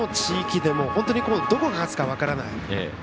全国どの地域でも本当にどこが勝つか分からない。